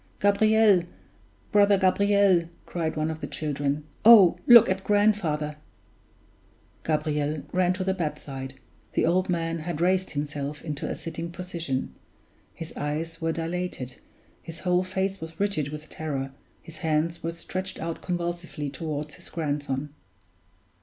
"Gabriel! brother Gabriel!" cried one of the children. "Oh, look at grandfather!" Gabriel ran to the bedside. The old man had raised himself into a sitting position; his eyes were dilated, his whole face was rigid with terror, his hands were stretched out convulsively toward his grandson.